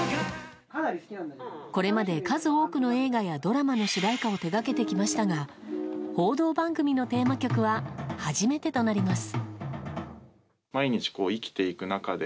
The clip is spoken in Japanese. これまで数多くの映画やドラマの主題歌を手掛けてきましたが報道番組のテーマ曲は初めてとなります。